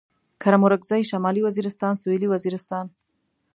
کرم اورکزي شمالي وزيرستان سوېلي وزيرستان